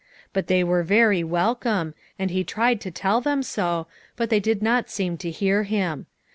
They were very welcome, and he tried to tell them so, but they did not seem to hear him.